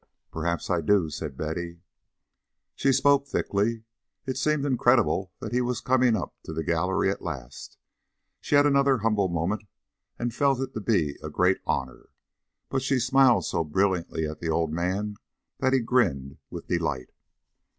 "Perhaps I do," said Betty. She spoke thickly. It seemed incredible that he was coming up to the gallery at last. She had another humble moment and felt it to be a great honour. But she smiled so brilliantly at the old man that he grinned with delight.